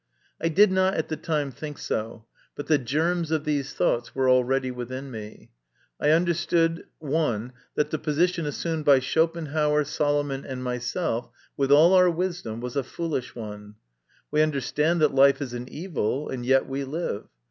I did not at the time think so, but the germs of these thoughts were already within me. I understood (i) that the position assumed by Schopenhauer, Solomon, and myself, with all our wisdom, was a foolish one : we understand that life is an evil, and yet we live.